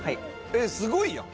えっすごいやん。